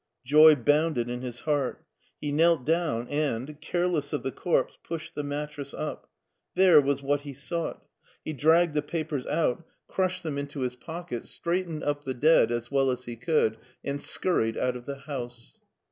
Joy bounded in his heart. He knelt down, and, careless of the corpse, pushed the mattress up. There was what he sought! He dragged the papers out, crushed them into his 8a MARTIN SCHOLER pocket, straightened up the dead as well as he could, and scurried out of the house.